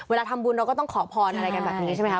เวลาทำบุญเราก็ต้องขอพรอะไรกันแบบนี้ใช่ไหมค